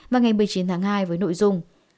vào ngày một mươi chín tháng hai với nội dung